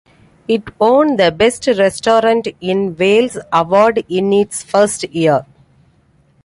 It won the "Best Restaurant in Wales" award in its first year.